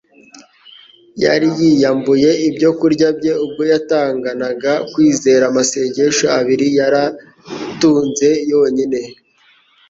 Yari yiyambuye ibyo kurya bye ubwo yatanganaga kwizera amasenge abiri yari atunze yonyine,